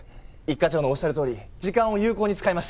一課長のおっしゃるとおり時間を有効に使いました。